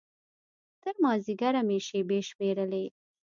تر مازديګره مې شېبې شمېرلې.